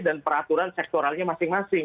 dan peraturan sektoralnya masing masing